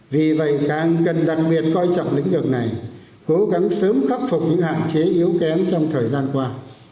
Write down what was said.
vì vậy càng cần đặc biệt coi trọng lĩnh vực này cố gắng sớm khắc phục những hạn chế yếu kém trong thời gian qua